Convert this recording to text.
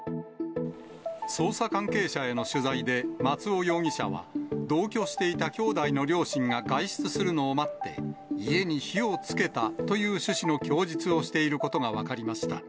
捜査関係者への取材で松尾容疑者は、同居していた兄弟の両親が外出するのを待って、家に火をつけたという趣旨の供述をしていることが分かりました。